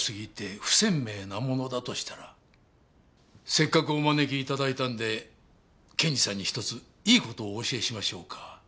せっかくお招き頂いたんで検事さんに１ついい事をお教えしましょうか。